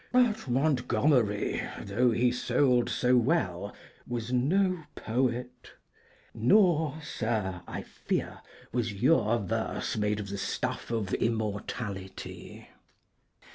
But Montgomery, though he sold so well, was no poet, nor, Sir, I fear, was your verse made of the stuff of immortality.